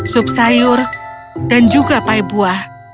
sup sayur dan juga pae buah